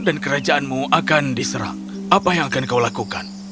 dan kerajaanmu akan diserang apa yang akan kau lakukan